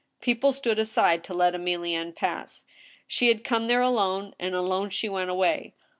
People stood aside to let Emilienne pass. She had come there alonS, and alone she went away.